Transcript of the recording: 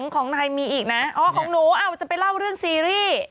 ของนายมีอีกนะอ๋อของหนูจะไปเล่าเรื่องซีรีส์